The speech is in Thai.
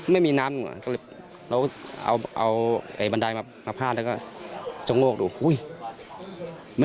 ไม่มีน้ำเราเอาไอบันไดมาผ้าแล้วก็จงโลกดู